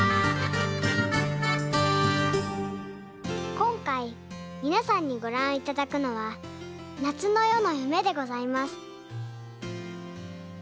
こんかいみなさんにごらんいただくのは「夏の夜の夢」でございます。